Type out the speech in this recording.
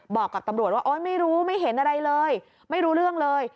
บอกกับตำรวจว่าโอ๊ยไม่รู้ไม่เห็นอะไรเลยไม่รู้เรื่องเลย